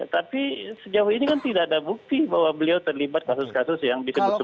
tapi sejauh ini kan tidak ada bukti bahwa beliau terlibat kasus kasus yang disebut sebut